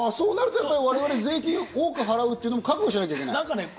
我々が税金を多く払うのを覚悟しなきゃいけない。